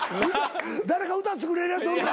誰か歌作れるやつおるか？